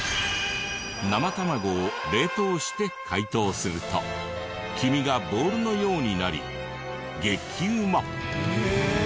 生卵を冷凍して解凍すると黄身がボールのようになり激ウマ！